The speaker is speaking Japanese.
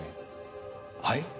はい？